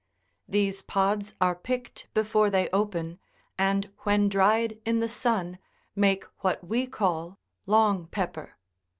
These pods are picked before they open, and when dried in the sun, make what we call " long pepper."